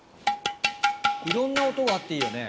いろんな音があっていいよね。